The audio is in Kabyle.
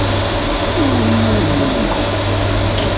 Anwa ay awen-yennan?